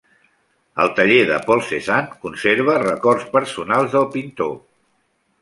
El taller de Paul Cézanne conserva records personals del pintor.